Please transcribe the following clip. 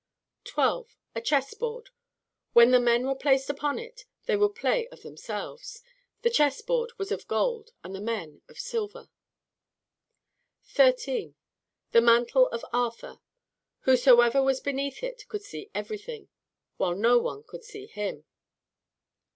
12. A chessboard; when the men were placed upon it, they would play of themselves. The chessboard was of gold, and the men of silver. 13. The mantle of Arthur; whosoever was beneath it could see everything, while no one could see him.